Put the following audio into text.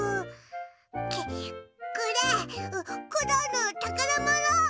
これコロンのたからもの！